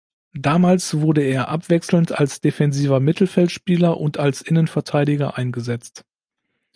Damals wurde er abwechselnd als defensiver Mittelfeldspieler und als Innenverteidiger eingesetzt.